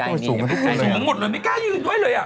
มันหมดแล้วไม่กล้ายืนด้วยเลย